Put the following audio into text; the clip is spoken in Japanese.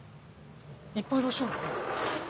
いっぱいいらっしゃる。